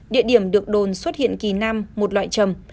địa điểm được đồn xuất hiện kỳ nam một loại trầm